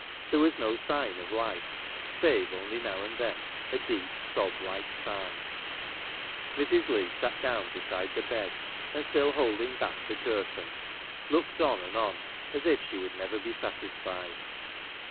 There was no sign of life, save only now and then a deep sob like sigh. Mrs. Leigh sat down beside the bed, and, still holding back the curtain, looked on and on, as if she could never be satisfied.